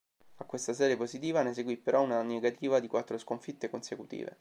A questa serie positiva ne seguì però una negativa di quattro sconfitte consecutive.